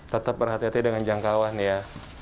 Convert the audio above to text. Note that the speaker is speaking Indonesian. tetap berhati hati dengan jangkauan ya